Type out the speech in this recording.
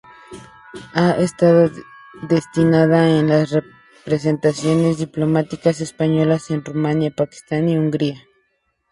Ha estado destinada en las representaciones diplomáticas españolas en Rumania, Pakistán y Hungría.